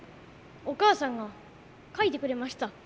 お母さんが書いてくれました。